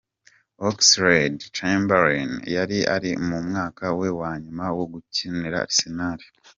Oxlade-Chamberlain yari ari mu mwaka we wa nyuma wo gukinira Arsenal.